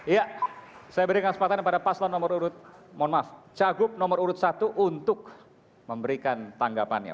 ya saya berikan kesempatan kepada paslon nomor urut mohon maaf cagup nomor urut satu untuk memberikan tanggapannya